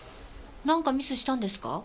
なんかミスしたんですか？